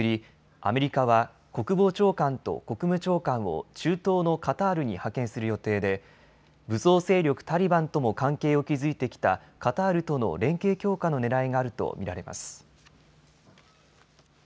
アメリカは国防長官と国務長官を中東のカタールに派遣する予定で武装勢力タリバンとも関係を築いてきたカタールとの連携強化のねらいがあると見られます。